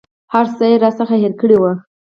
هر څه یې راڅخه هېر کړي وه.